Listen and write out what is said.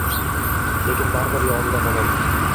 lekin baribir yodida qoladi.